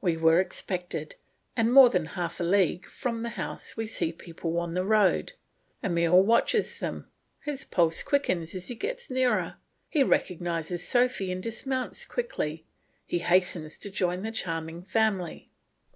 We were expected; and more than half a league from the house we see people on the road. Emile watches them, his pulse quickens as he gets nearer, he recognises Sophy and dismounts quickly; he hastens to join the charming family.